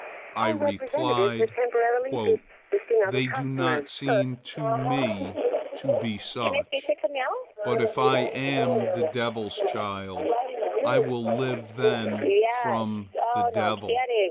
I replied, "They do not seem to me to be such; but if I am the Devil's child, I will live then from the Devil."